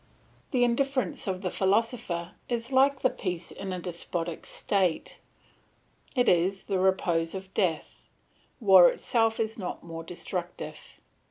The indifference of the philosopher is like the peace in a despotic state; it is the repose of death; war itself is not more destructive.